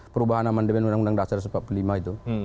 perubahan amandemen undang undang dasar empat puluh lima itu